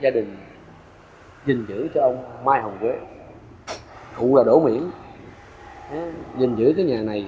gia đình dình dữ cho ông mai hồng quế cụ là đỗ miễn dình dữ cái nhà này